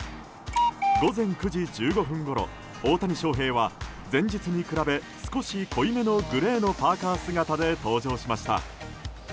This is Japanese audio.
午前９時１５分ごろ大谷翔平は前日に比べ少し濃いめのグレーのパーカ姿で登場しました。